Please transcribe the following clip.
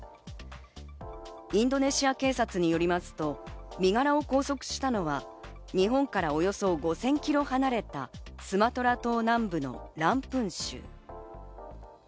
インドネシア警察によりますと、身柄を拘束したのは、日本からおよそ５０００キロ離れた、スマトラ島南部のランプン州。